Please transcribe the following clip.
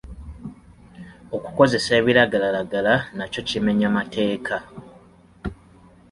Okukozesa ebiragalalagala nakyo kimenya mateeka.